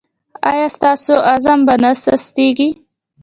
ایا ستاسو عزم به نه سستیږي؟